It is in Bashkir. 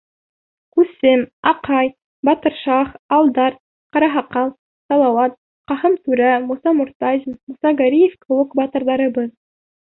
Күсем, Аҡай, Батыршаһ, Алдар, Ҡараһаҡал, Салауат, Ҡаһым түрә, Муса Мортазин, Муса Гәрәев кеүек батырҙарыбыҙ;